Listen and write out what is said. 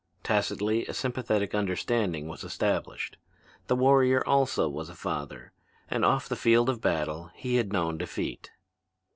Tacitly a sympathetic understanding was established. The warrior also was a father, and off the field of battle he had known defeat.